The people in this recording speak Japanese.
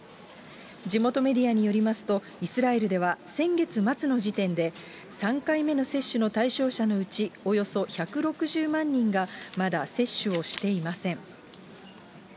地元メディアによりますと、イスラエルでは先月末の時点で、３回目の接種の対象者のうちおよそ１６０万人が、まだ接種をしていません。